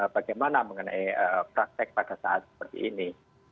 bagaimana mengenai praktek pada saat seperti ini